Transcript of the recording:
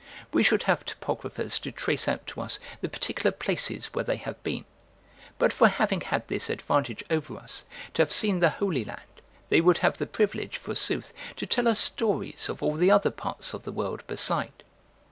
We should have topographers to trace out to us the particular places where they have been; but for having had this advantage over us, to have seen the Holy Land, they would have the privilege, forsooth, to tell us stories of all the other parts of the world beside.